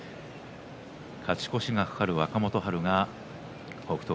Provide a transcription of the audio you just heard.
勝ち越しが懸かる若元春が北勝